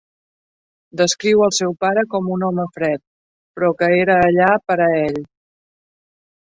Descriu el seu pare com un home fred però que era allà per a ell.